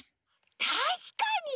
たしかに！